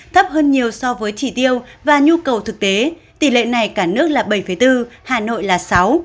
thấp hơn nhiều so với chỉ tiêu và nhu cầu thực tế tỷ lệ này cả nước là bảy bốn hà nội là sáu